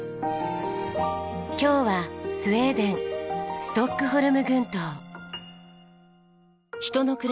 今日はスウェーデンストックホルム群島。